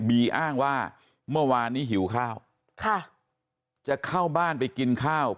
อ้างว่าเมื่อวานนี้หิวข้าวค่ะจะเข้าบ้านไปกินข้าว